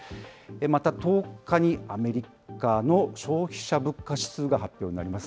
また１０日にアメリカの消費者物価指数が発表になります。